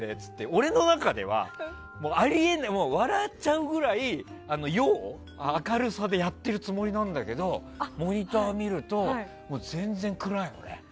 俺の中では笑っちゃうぐらいの陽を明るさでやってるつもりなんだけどモニターを見ると全然暗いよね。